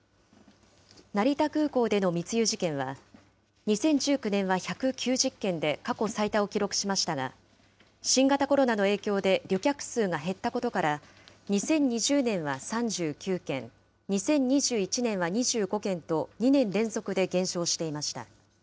成田空港での密輸事件は、２０１９年は１９０件で、過去最多を記録しましたが、新型コロナの影響で旅客数が減ったことから、２０２０年は３９件、２０２１年は２５件と、２年連続で減少していました。